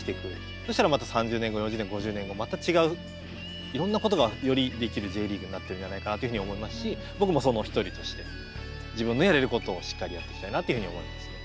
そしたらまた３０年後４０年後５０年後また違ういろんなことがよりできるＪリーグになってるんじゃないかなというふうに思いますし僕もその一人として自分のやれることをしっかりやっていきたいなというふうに思いますね。